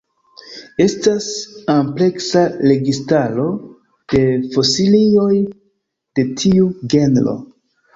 Estas ampleksa registraro de fosilioj de tiu genro.